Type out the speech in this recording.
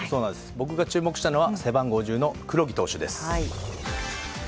僕が注目したのは、背番号１０の黒木投手です。